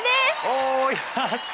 おやった！